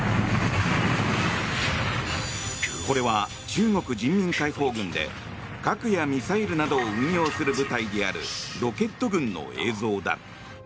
これは中国人民解放軍で核やミサイルなどを運用する部隊であるロケット軍の映像だ。